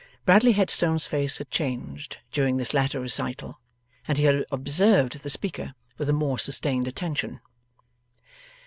Bradley Headstone's face had changed during this latter recital, and he had observed the speaker with a more sustained attention.